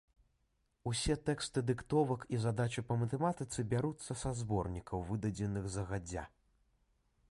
Усе тэксты дыктовак і задачы па матэматыцы бяруцца са зборнікаў, выдадзеных загадзя.